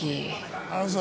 あのさ